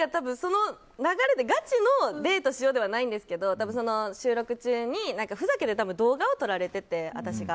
流れで、ガチのデートしようではないんですけど収録中に、ふざけて動画を撮られてて私が。